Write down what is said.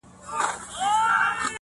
چي د پايزېب د شرنگولو کيسه ختمه نه ده,